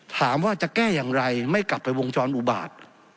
ถามว่าจะแก้อย่างไรไม่กลับไปวงจรอุบาต